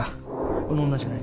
この女じゃない？